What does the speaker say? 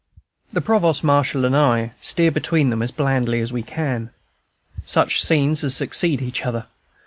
The Provost Marshal and I steer between them as blandly as we can. Such scenes as succeed each other!